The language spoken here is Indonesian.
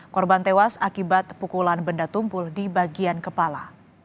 korban tewas akibat pukulan benda tumpul di bagian kepala